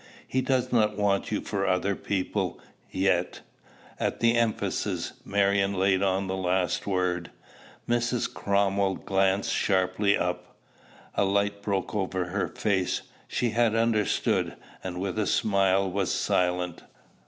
He does not want you for other people yet." At the emphasis Marion laid on the last word, Mrs. Cromwell glanced sharply up. A light broke over her face: she had understood, and with a smile was silent.